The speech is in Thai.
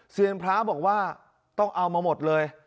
เซียนพระบอกว่าต้องเอามาหมดเลย